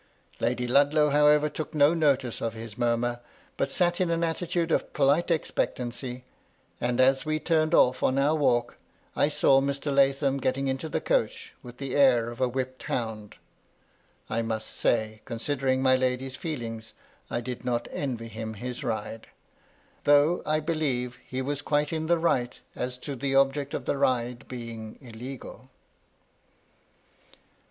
Lady Ludlow, however, took no notice of his murmur, but sat in an attitude of polite expectancy; and as we turned oflf on our walk, I saw Mr. Lathom getting into the coach with the air of a whipped hound. I must say, considering my lady's feeling, I did not envy him his ride, — though, I believe, he was quite in the right as to the object of the ride being illegal.